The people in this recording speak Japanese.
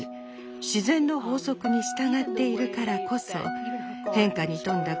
自然の法則に従っているからこそ変化に富んだ